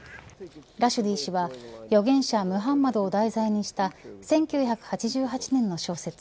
ラシュディ氏は預言者ムハンマドを題材にした１９８８年の小説